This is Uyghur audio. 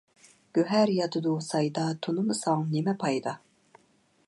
گۆھەر ياتىدۇ سايدا، تۇنۇمىساڭ نىمە پايدا.